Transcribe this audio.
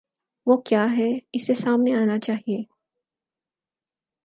وہ کیا ہے، اسے سامنے آنا چاہیے۔